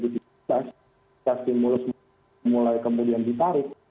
stimulus mulai kemudian ditarik